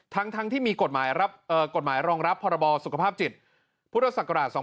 ทั้งที่มีกฎหมายรองรับพศสุขภาพจิตพศ๒๕๕๑